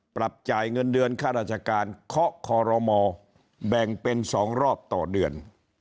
ปรับจ่ายเงินเดือนค่าราชการเคาะคอรมอแบ่งเป็น๒รอบต่อเดือน